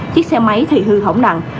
chiếc xe máy thì hư hỏng nặng